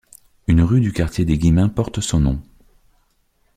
Une rue du quartier des Guillemins porte son nom.